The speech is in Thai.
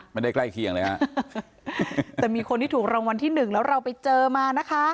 ใกล้เคียงเลยฮะแต่มีคนที่ถูกรางวัลที่หนึ่งแล้วเราไปเจอมานะคะ